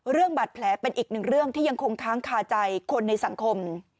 บาดแผลเป็นอีกหนึ่งเรื่องที่ยังคงค้างคาใจคนในสังคม